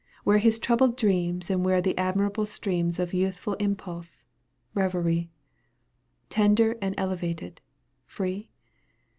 Where his troubled dreams, And where the admirable streams Of youthful impulse, reverie, Tender and elevated, free